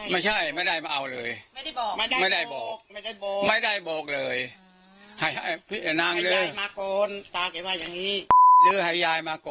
ไม่ได้ได้ข้าวเลย